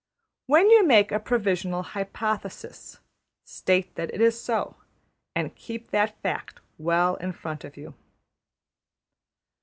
When you make a provisional hypothesis, state that it is so, and keep that fact well in front of you.